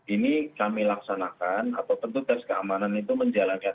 ini kami laksanakan atau tentu tes keamanan itu menjalankan